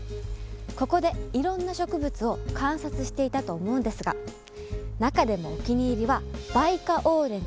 ここでいろんな植物を観察していたと思うんですが中でもお気に入りはバイカオウレンという花だったそうです。